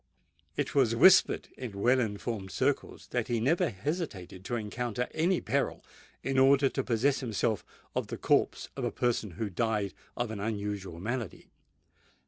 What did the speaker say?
It was whispered in well informed circles that he never hesitated to encounter any peril in order to possess himself of the corpse of a person who died of an unusual malady.